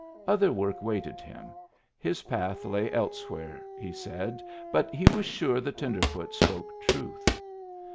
Other work waited him ; his path lay elsewhere, he said, but he was sure the tenderfoot spoke truth.